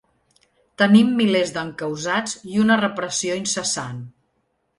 Tenim milers d’encausats i una repressió incessant.